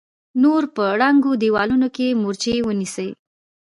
نور په ړنګو دېوالونو کې مورچې ونيسئ!